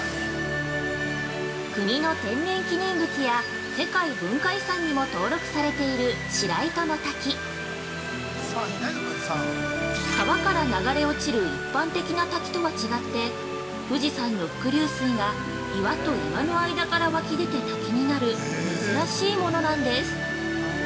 ◆国の天然記念物や世界文化遺産にも登録されている「白糸の滝」は、川から流れ落ちる一般的な滝とは違って富士山の伏流水が岩と岩の間から湧き出て滝になる珍しいものなんです。